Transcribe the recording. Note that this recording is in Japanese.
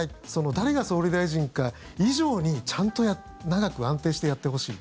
誰が総理大臣か以上にちゃんと長く安定してやってほしい。